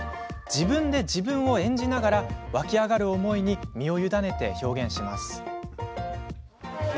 自分で自分を演じながら湧き上がる思いに身を委ねて表現します。